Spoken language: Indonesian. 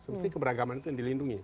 semesti keberagaman itu yang dilindungi